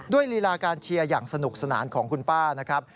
ลีลาการเชียร์อย่างสนุกสนานของคุณป้านะครับ